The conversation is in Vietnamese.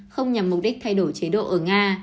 không nhằm mục đích thay đổi chế độ ở nga